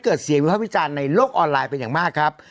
เกิดเสียงวิภาพวิจารณ์ในโลกออนไลน์เป็นอย่างมากครับ